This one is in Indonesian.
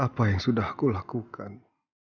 apa yang sudah aku lakukan